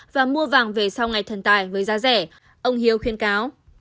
và mua vàng về sau ngày thần tài với giá rẻ ông hiếu khuyên cáo